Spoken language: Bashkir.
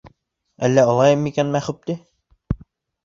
Әллә алайым микән Мәхүпте